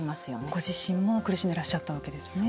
ご自身も苦しんでいらっしゃったわけですね